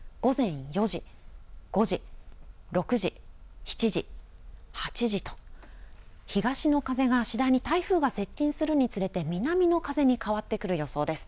午前４時、５時、６時、７時、８時と、東の風が次第に台風が接近するにつれて南の風に変わってくる予想です。